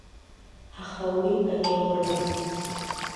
Аха уи агьаурым.